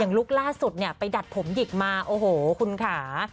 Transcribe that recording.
ลุคล่าสุดเนี่ยไปดัดผมหยิกมาโอ้โหคุณค่ะ